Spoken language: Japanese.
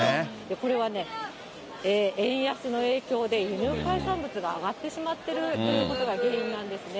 これはね、円安の影響で、輸入海産物が上がってしまっているということが原因なんですね。